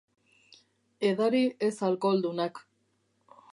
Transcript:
Edari ez alkoholdunak.